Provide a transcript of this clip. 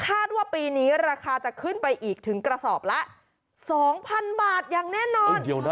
คาดว่าปีนี้ราคาจะขึ้นไปอีกถึงกระสอบละสองพันบาทอย่างแน่นอนเออเดี๋ยวน่ะ